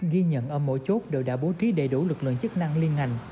ghi nhận ở mỗi chốt đều đã bố trí đầy đủ lực lượng chức năng liên ngành